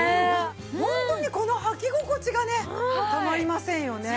ホントにこの履き心地がねたまりませんよね。